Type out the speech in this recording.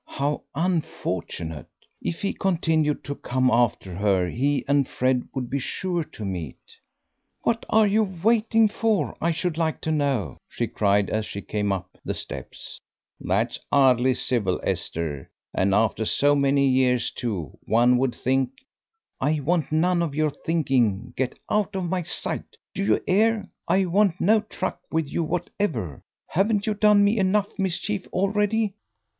How unfortunate! If he continued to come after her he and Fred would be sure to meet. "What are you waiting for, I should like to know?" she cried, as she came up the steps. "That's 'ardly civil, Esther, and after so many years too; one would think " "I want none of your thinking; get out of my sight. Do you 'ear? I want no truck with you whatever. Haven't you done me enough mischief already?"